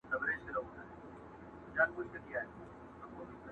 پلار ویله د قاضي کمال څرګند سو،